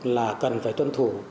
là cần phải tuân thủ